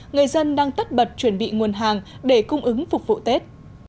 người dân đang tất bật chuẩn bị nguồn hàng để cung ứng phục vụ tết